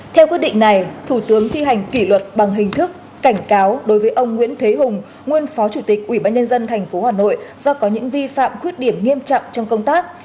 theo quyết định này thủ tướng thi hành kỷ luật bằng hình thức cảnh cáo đối với ông nguyễn thế hùng nguyên phó chủ tịch ủy ban nhân dân tp hà nội do có những vi phạm khuyết điểm nghiêm trọng trong công tác